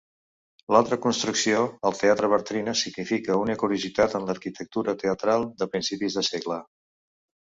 L'altra construcció, el Teatre Bartrina, significa una curiositat en l'arquitectura teatral de principis de segle.